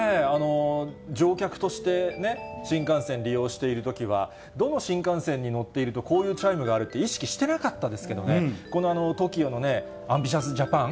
乗客としてね、新幹線利用しているときは、どの新幹線に乗っているとこういうチャイムがあるって、意識してなかったですけどね、このＴＯＫＩＯのＡＭＢＩＴＩＯＵＳＪＡＰＡＮ！